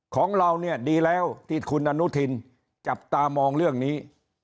ของเราเนี่ยดีแล้วที่คุณอนุทินจับตามองเรื่องนี้